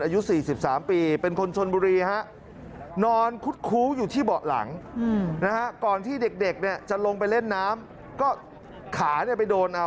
อายุ๔๓ปีเป็นคนชนบุรีครับ